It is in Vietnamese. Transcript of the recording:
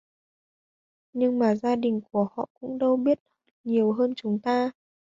Nhưng mà gia đình của họ cũng đâu biết nhiều hơn chúng ta